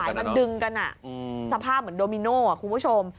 มันดึงกันสภาพเหมือนโดมิโน่คุณผู้ชม